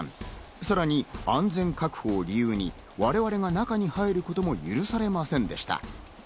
さらに安全確保を理由に、我々が中に入ることも許されませんでした。